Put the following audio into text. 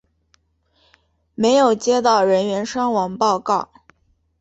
没有接到人员伤亡报告。